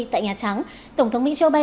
tại nhà trắng tổng thống mỹ joe biden